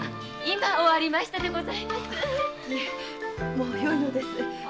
もうよいのです。